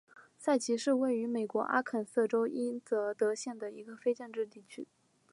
塞奇是位于美国阿肯色州伊泽德县的一个非建制地区。